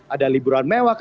ada liburan mewah